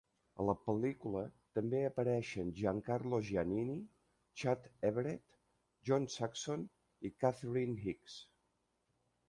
A la pel·lícula també apareixien Giancarlo Giannini, Chad Everett, John Saxon i Catherine Hicks.